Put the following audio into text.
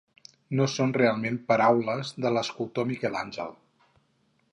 No són realment paraules de l'escultor Miquel Àngel.